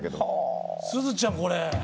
すずちゃん。